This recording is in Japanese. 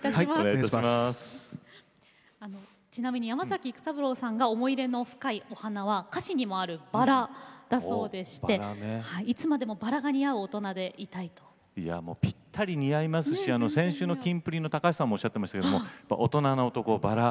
ちなみに山崎育三郎さんの思い入れの深い花は歌詞にもあるバラだそうでいつまでもバラが似合うぴったり似合いますし先週のキンプリの高橋さんもおっしゃってましたけど大人の男、バラ。